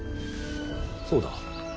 そうだ。